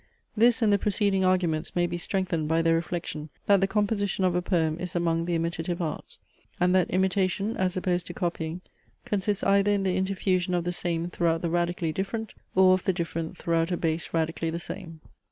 This and the preceding arguments may be strengthened by the reflection, that the composition of a poem is among the imitative arts; and that imitation, as opposed to copying, consists either in the interfusion of the same throughout the radically different, or of the different throughout a base radically the same.